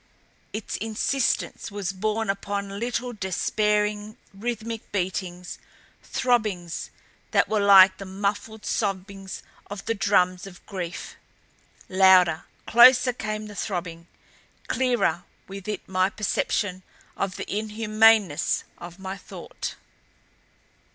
Its insistence was borne upon little despairing, rhythmic beatings throbbings that were like the muffled sobbings of the drums of grief. Louder, closer came the throbbing; clearer with it my perception of the inhumanness of my thought.